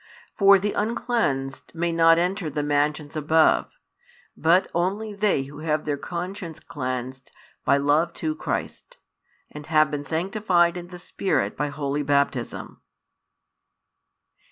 For the uncleansed may not enter the mansions above, but only they who have their conscience cleansed by love to Christ, and have been sanctified in the Spirit by Holy Baptism.